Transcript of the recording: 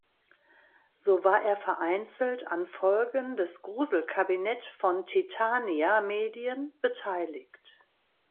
So war er vereinzelt an Folgen des "Gruselkabinett" von Titania Medien beteiligt.